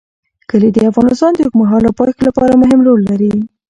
کلي د افغانستان د اوږدمهاله پایښت لپاره مهم رول لري.